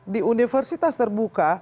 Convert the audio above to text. di universitas terbuka